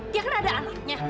dia kan ada anaknya